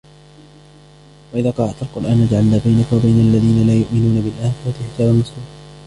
وَإِذَا قَرَأْتَ الْقُرْآنَ جَعَلْنَا بَيْنَكَ وَبَيْنَ الَّذِينَ لَا يُؤْمِنُونَ بِالْآخِرَةِ حِجَابًا مَسْتُورًا